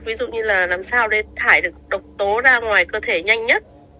ví dụ như là làm sao để thải được độc tố ra ngoài cơ thể nhanh nhất